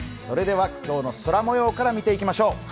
それでは今日の空もようから見ていきましょう。